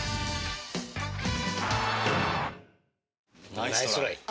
ナイストライ